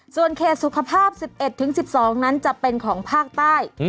ส่วนเขตสุขภาพ๑๑๑๑๒นั้นจะเป็นของภาคใต้